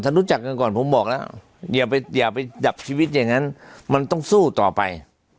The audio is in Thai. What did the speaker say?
ถ้ารู้จักกันก่อนผมบอกแล้วอย่าไปดับชีวิตอย่างนั้นมันต้องสู้ต่อไป